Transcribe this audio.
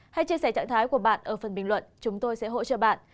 hãy chia sẻ trạng thái của bạn ở phần bình luận chúng tôi sẽ hỗ trợ bạn